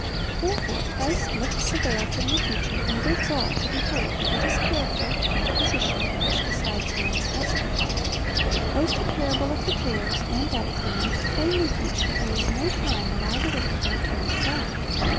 Therefore Christ Hfts the veil from the future, and bids all to behold that it is character, not position, which decides man's destiny. Both the parable of the tares and that of the net plainly teach that there is no time when all the wicked will turn to God.